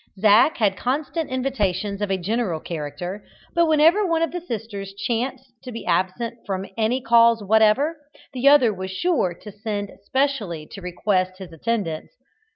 Zac had constant invitations of a general character, but whenever one of the sisters chanced to be absent from any cause whatever, the other was sure to send specially to request his attendance.